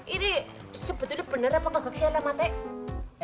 ini sebetulnya bener apa kagak kasih alamatnya